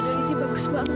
tapi ini bagus banget